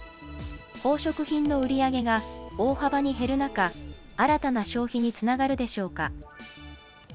宝飾品の売り上げが大幅に減る中、新たな消費につながるでしょうか。